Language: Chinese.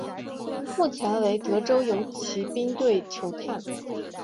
目前为德州游骑兵队球探。